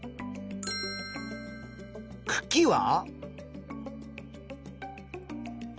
くきは？